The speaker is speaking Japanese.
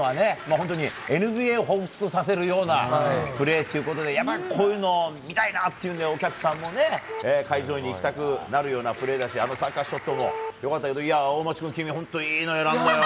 本当にＮＢＡをほうふつとさせるようなプレーということでこういうのを見たいなっていうのでお客さんも会場に行きたくなるようなプレーだしあのサーカスショットもそうだけど大町君、いいのを選んだよ。